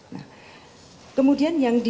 nah kemudian yang terakhir